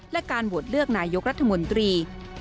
และการโหวตเลือกนายกรัฐมนตรี